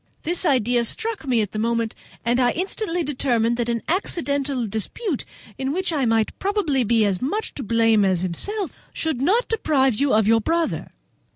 This idea struck me at the moment, and I instantly determined that an accidental dispute, in which I might probably be as much to blame as himself, should not deprive you of your brother.